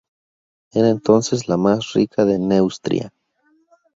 Era entonces la más rica de Neustria.